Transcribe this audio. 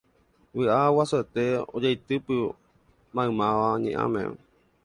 Vy'a guasuete ojaitypo maymáva ñe'ãme.